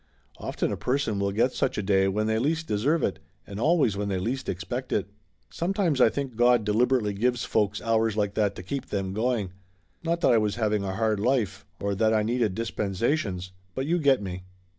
Often a person will get such a day when they least deserve it, and always when they least expect it. Sometimes I think God deliberately gives folks hours like that to keep them going. Not that I was having a hard life, or that I needed dispensations, but you get me.